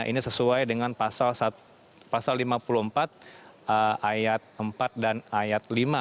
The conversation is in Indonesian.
ini sesuai dengan pasal lima puluh empat ayat empat dan ayat lima